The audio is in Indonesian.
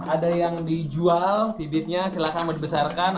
ada yang dijual bibitnya silahkan mau dibesarkan